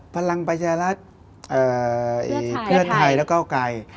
พลังประชารัฐเพื่อไทยและเก้าไกร